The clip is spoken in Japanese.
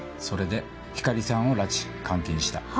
それで光莉さんを拉致監禁した。